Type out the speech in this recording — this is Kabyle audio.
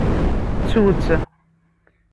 Ttu-tt.